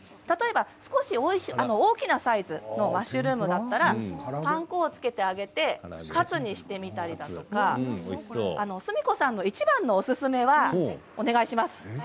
例えば少し大きなサイズのマッシュルームだったらパン粉をつけて揚げてカツにしてみたり純子さんのいちばんのおすすめはお願いします。